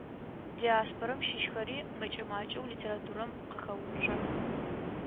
Диаспорэм щыщхэри мэкӏэ-макӏэу литературэм къыхэуцох.